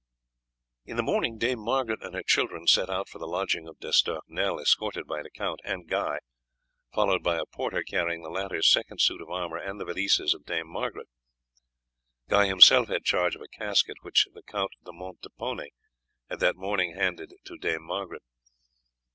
In the morning Dame Margaret and her children set out for the lodging of D'Estournel, escorted by the count and Guy, followed by a porter carrying the latter's second suit of armour and the valises of Dame Margaret. Guy himself had charge of a casket which the Count de Montepone had that morning handed to Dame Margaret.